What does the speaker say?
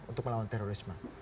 untuk melawan terorisme